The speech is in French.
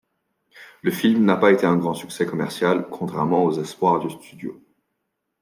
Le film n'a pas été un grand succès commercial contrairement aux espoirs du studio.